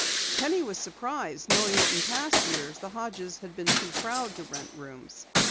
Penny was surprised, knowing that in past years the Hodges had been too proud to rent rooms.